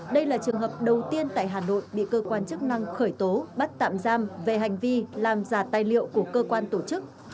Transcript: đây là trường hợp đầu tiên tại hà nội bị cơ quan chức năng khởi tố bắt tạm giam về hành vi làm giả tài liệu của cơ quan tổ chức